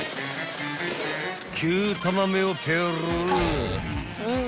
［９玉目をペロリ］